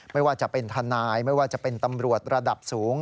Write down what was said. ไม่ว่าจะเป็นทนายไม่ว่าจะเป็นตำรวจระดับสูง